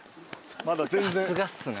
さすがっすね。